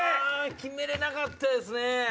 決めれなかったですね。